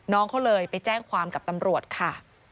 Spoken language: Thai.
น้องเขาเลยไปแจ้งความกับตำรวจค่ะ